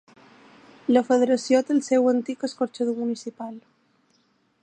La Federació té seu a l'antic Escorxador Municipal.